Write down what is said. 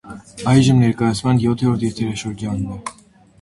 Այժմ ներկայացման յոթերորդ եթերաշրջանն է։